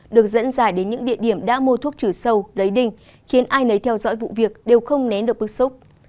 được dẫn dài đến những địa điểm đã mua thuốc trừ sâu lấy đinh khiến ai nấy theo dõi vụ việc đều không nén được bức xúc